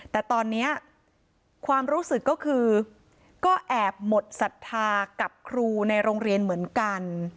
แต่ตอนนี้ความรู้สึกก็คือก็แอบหมดศรัทธากับครูในโรงเรียนเหมือนกัน